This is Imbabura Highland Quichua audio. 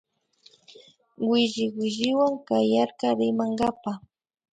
Williwilliwan kayarka rimankapa